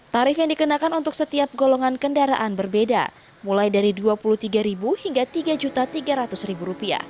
tarif yang dikenakan untuk setiap golongan kendaraan berbeda mulai dari rp dua puluh tiga hingga rp tiga tiga ratus